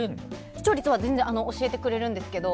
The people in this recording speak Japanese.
視聴率は全然教えてくれるんですけど。